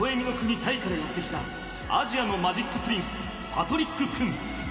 タイからやってきたアジアのマジックプリンスパトリック・クン。